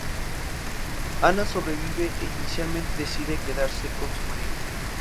Anna sobrevive e inicialmente decide quedarse con su marido.